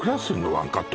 ワンカット